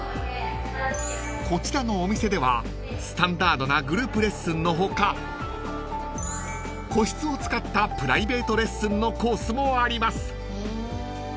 ［こちらのお店ではスタンダードなグループレッスンの他個室を使ったプライベートレッスンのコースもあります］